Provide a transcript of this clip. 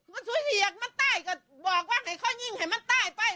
มันสูญเสียมันใต้ก็บอกว่าให้เขายิงให้มันใต้ไป